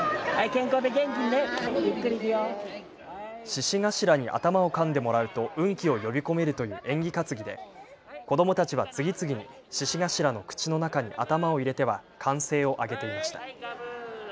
獅子頭に頭をかんでもらうと運気を呼び込めるという縁起担ぎで子どもたちは次々に獅子頭の口の中に頭を入れては歓声を上げていました。